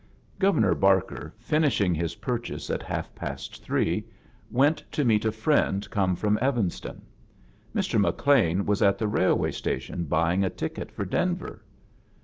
Governor Barker, finishii^ his pur chases at half past three, went to meet a friend come from Evanston. Mr. McLean was at the railway station buying a ticket for Denver.